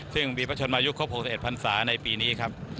ซึ่งมีพระชนมายุครบ๖๑พันศาในปีนี้ครับ